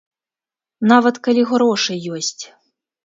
Нават калі грошы ёсць.